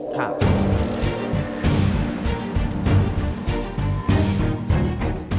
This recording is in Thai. ครับ